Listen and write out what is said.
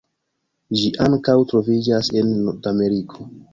Ĝi ankaŭ troviĝas en Nordameriko.